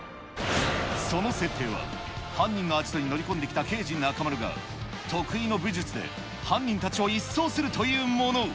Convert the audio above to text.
その設定は、犯人のアジトに乗り込んできた刑事、中丸が、得意の武術で、犯人たちを一掃するというもの。